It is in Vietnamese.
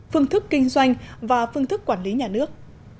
phương thức kinh doanh và phương thức quản lý nhà nước